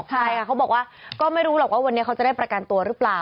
ใช่ค่ะเขาบอกว่าก็ไม่รู้หรอกว่าวันนี้เขาจะได้ประกันตัวหรือเปล่า